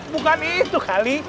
bukan itu kali